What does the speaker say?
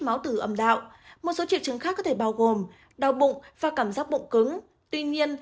máu tử ẩm đạo một số triệu chứng khác có thể bao gồm đau bụng và cảm giác bụng cứng tuy nhiên